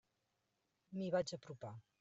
M'hi vaig apropar.